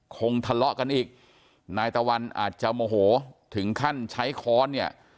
คงทะเลาะกันอีกนายตะวันอาจจะโมโหถึงขั้นใช้ค้อนเนี่ย